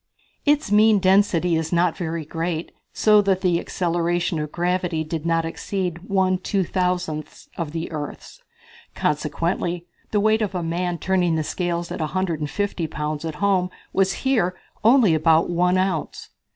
Its mean density is not very great so that the acceleration of gravity did not exceed one two thousandths of the earth's. Consequently the weight of a man turning the scales at 150 pounds at home was here only about one ounce.